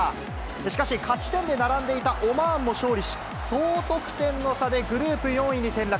しかし、勝ち点で並んでいたオマーンも勝利し、総得点の差でグループ４位に転落。